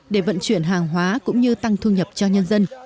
để vận chuyển hàng hóa cũng như tăng thu nhập cho nhân dân